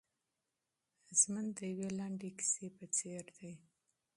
ژوند د یوې لنډې کیسې په څېر دی.